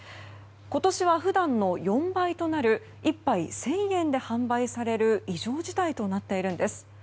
今年は普段の４倍となる１杯１０００円で販売される異常事態となっているんです。